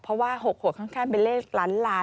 เพราะว่า๖หัวข้างเป็นเลขล้านลาน